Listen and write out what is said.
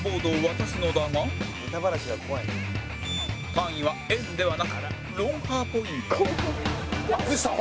単位は円ではなくロンハーポイント淳さん